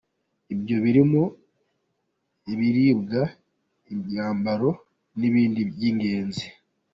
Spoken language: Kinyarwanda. Ibyo birimo ibiribwa, imyambaro n’ibindi by’ingenzi.